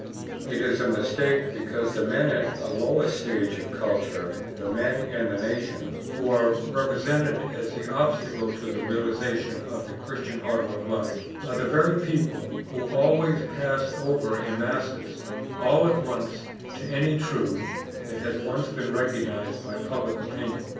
It is a mistake, because the men at a lower stage of culture, the, men and the nations who are represented as the obstacle to the realization of the Christian order of life, are the very people who always pass over in masses all at once to any truth that has once been recognized by public opinion.